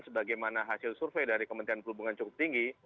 sebagaimana hasil survei dari kementerian perhubungan cukup tinggi